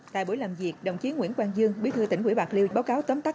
tại buổi làm việc đồng chí nguyễn quang dương bí thư tỉnh ủy bạc liêu báo cáo tóm tắt